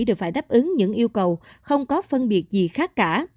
đều phải đáp ứng những yêu cầu không có phân biệt gì khác cả